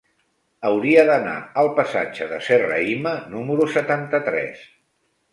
Hauria d'anar al passatge de Serrahima número setanta-tres.